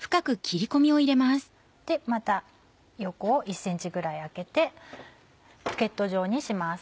また横を１ｃｍぐらいあけてポケット状にします。